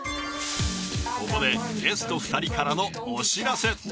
ここでゲスト２人からのお知らせ。